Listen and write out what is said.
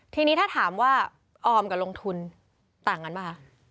ทีนี้ถ้าถามว่าออมกับลงทุนต่างกันป่ะคะ